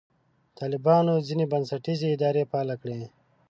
طالبانو ځینې بنسټیزې ادارې فعاله کړې.